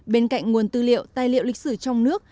bên cạnh nguồn tư liệu tài liệu lịch sử trong nước